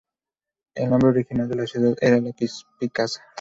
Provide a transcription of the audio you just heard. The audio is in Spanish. El nombre original de la ciudad era "La Picasa".